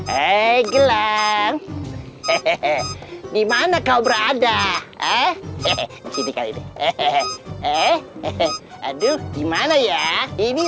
hai gelang hehehe dimana kau berada eh hehehe di sini kali ini hehehe hehehe aduh gimana ya ini